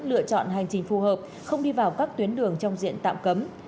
lựa chọn hành trình phù hợp không đi vào các tuyến đường trong diện tạm cấm